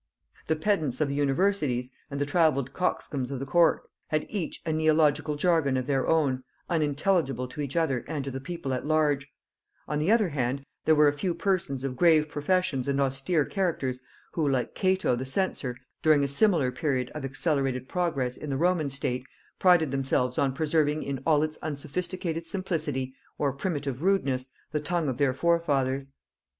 The pedants of the universities, and the travelled coxcombs of the court, had each a neological jargon of their own, unintelligible to each other and to the people at large; on the other hand, there were a few persons of grave professions and austere characters, who, like Cato the Censor during a similar period of accelerated progress in the Roman state, prided themselves on preserving in all its unsophisticated simplicity, or primitive rudeness, the tongue of their forefathers.